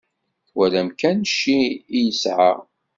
Twalam kan cci i yesɛa.